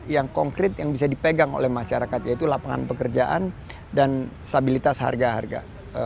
yang konkret yang bisa dipegang oleh masyarakat yaitu lapangan pekerjaan dan stabilitas harga harga